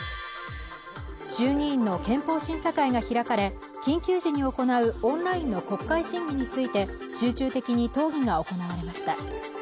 衆議院の憲法審査会が開かれ緊急時に行うオンラインの国会審議について集中的に討議が行われました